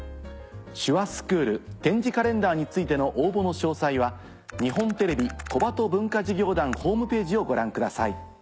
手話スクール点字カレンダーについての応募の詳細は日本テレビ小鳩文化事業団ホームページをご覧ください。